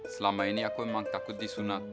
selama ini aku memang takut disunat